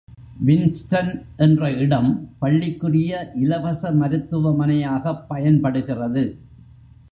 Winston என்ற இடம் பள்ளிக்குரிய இலவச மருத்துவமனையாகப் பயன்படுகிறது.